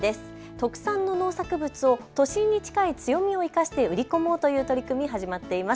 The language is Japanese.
特産の農作物を都心に近い強みを生かして売り込もうという取り組み、始まっています。